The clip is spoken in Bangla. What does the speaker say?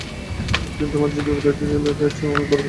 এক দিন তোমার যে বিপদ ঘটতে যাচ্ছিল, তার চেয়েও অনেক বড় বিপদ।